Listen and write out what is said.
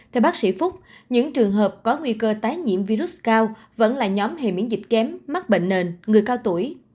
theo bác sĩ phúc những trường hợp có nguy cơ tái nhiễm virus cao vẫn là nhóm hề miễn dịch kém mắc bệnh nền người cao tuổi